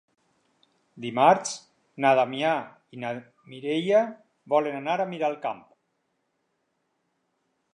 Dimarts na Damià i na Mireia volen anar a Miralcamp.